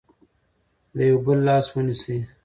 د یو بل لاس ونیسئ.